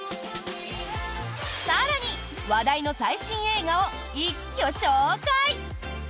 更に話題の最新映画を一挙紹介！